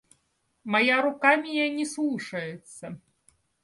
Моя рука меня не слушается!